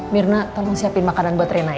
mirna tolong siapin makanan buat rena ya